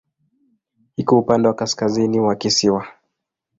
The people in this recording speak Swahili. Iko upande wa kaskazini wa kisiwa.